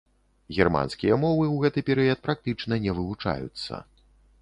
Германскія мовы ў гэты перыяд практычна не вывучаюцца.